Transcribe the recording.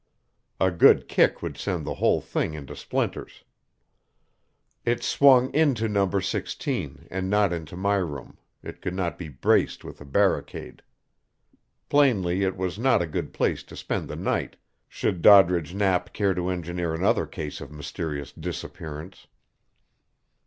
A good kick would send the whole thing into splinters. As it swung into Number 16 and not into my room it could not be braced with a barricade. Plainly it was not a good place to spend the night should Doddridge Knapp care to engineer another case of mysterious disappearance.